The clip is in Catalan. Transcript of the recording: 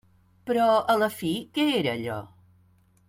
Però a la fi, què era allò?